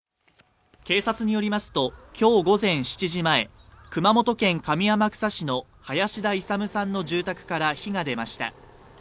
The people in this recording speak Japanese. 警察によりますと今日午前７時前熊本県上天草市の林田勇さんの住宅から火が出ました。